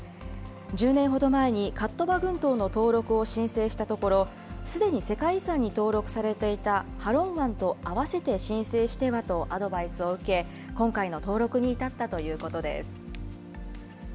１０年ほど前にカットバ群島の登録を申請したところ、すでに世界遺産に登録されていたハロン湾と合わせて申請してはとアドバイスを受け、今回の登録に至ったということです。